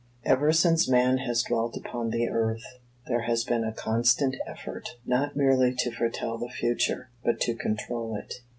Ever since man has dwelt upon the earth, there has been a constant effort, not merely to foretell the future, but to control it.